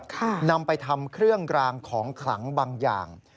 นำไปทำเครื่องรางของขลังบางอย่าง